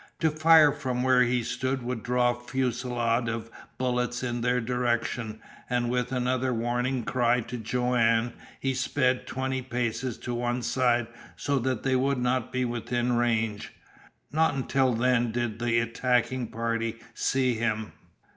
To fire from where he stood would draw a fusillade of bullets in their direction, and with another warning cry to Joanne, he sped twenty paces to one side so that they would not be within range. Not until then did the attacking party see him.